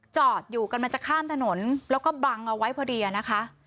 จอดอยู่กำลังจะข้ามถนนแล้วก็บังเอาไว้พอดีนะคะ